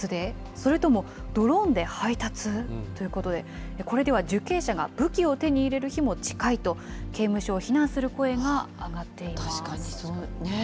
それともドローンで配達？ということで、これでは受刑者が武器を手に入れる日も近いと、刑務所を非難する確かにそう。